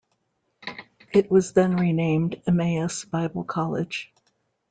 It was then renamed Emmaus Bible College.